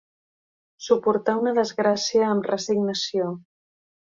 Suportar una desgràcia amb resignació.